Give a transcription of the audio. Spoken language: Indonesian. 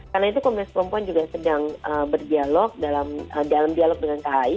karena itu komunis perempuan juga sedang berdialog dalam dialog dengan kai